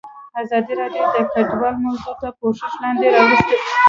ازادي راډیو د کډوال موضوع تر پوښښ لاندې راوستې.